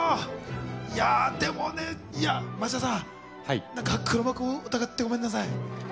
いやー、でもね、町田さん、なんか、黒幕を疑ってごめんなさい。